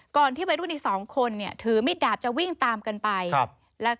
ที่วัยรุ่นอีกสองคนเนี่ยถือมิดดาบจะวิ่งตามกันไปครับแล้วก็